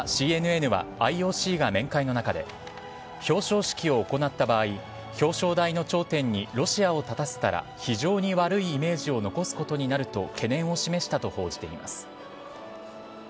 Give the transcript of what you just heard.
またＣＮＮはＩＯＣが面会の中で表彰式を行った場合表彰台の頂点にロシアを立たせたら非常に悪いイメージを残すことになると懸念を示したと報じています。